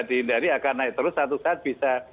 dihindari akan naik terus satu saat bisa